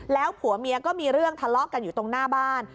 แล้วผัวเมียก็มีเรื่องทะเลาะกันอยู่ตรงหน้าบ้าน